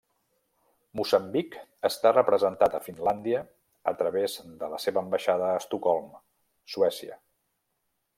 Moçambic està representat a Finlàndia a través de la seva ambaixada a Estocolm, Suècia.